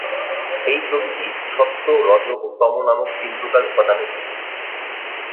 এই প্রকৃতি সত্ত্ব, রজ ও তম নামক তিন প্রকার উপাদানে গঠিত।